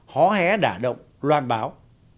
hó hé đả động loan báo